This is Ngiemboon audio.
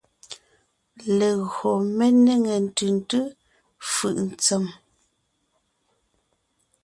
Legÿo mé nêŋe ntʉ̀ntʉ́ fʉʼ ntsèm.